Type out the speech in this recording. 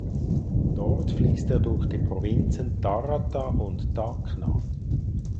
Dort fließt er durch die Provinzen Tarata und Tacna.